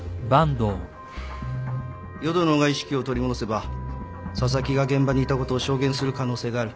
淀野が意識を取り戻せば紗崎が現場にいたことを証言する可能性がある。